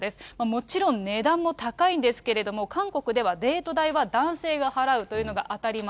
もちろん値段も高いんですけれども、韓国ではデート代は男性が払うというのが当たり前。